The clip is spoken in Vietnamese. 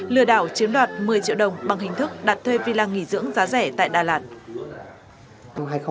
lừa đảo chiếm đoạt một mươi triệu đồng bằng hình thức đặt thuê villa nghỉ dưỡng giá rẻ tại đà lạt